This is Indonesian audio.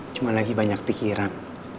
cuma lagi banyak pikiran